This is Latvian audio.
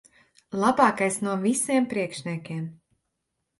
Labākais no visiem priekšniekiem.